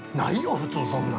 普通、そんなん。